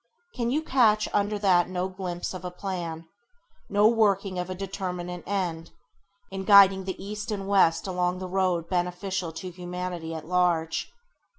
Can you catch under that no glimpse of a plan, no working of a determinate end, in guiding the East and West along the road beneficial to humanity at large